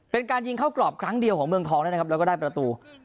เป็นการยิงเข้ากรอบครั้งเดียวของเมืองทองด้วยนะครับแล้วก็ได้ประตู